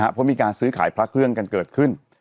เพราะมีการซื้อขายพระเครื่องกันเกิดขึ้น